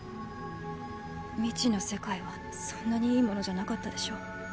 未知の世界はそんなにいいものじゃなかったでしょ？